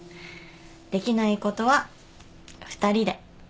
できないことは二人で。